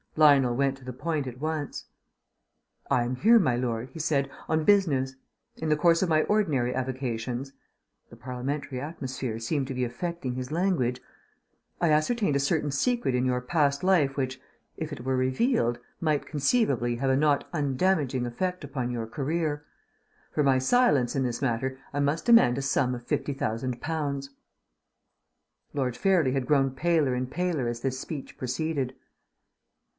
Lionel went to the point at once. "I am here, my lord," he said, "on business. In the course of my ordinary avocations" the parliamentary atmosphere seemed to be affecting his language "I ascertained a certain secret in your past life which, if it were revealed, might conceivably have a not undamaging effect upon your career. For my silence in this matter I must demand a sum of fifty thousand pounds." Lord Fairlie had grown paler and paler as this speech proceeded.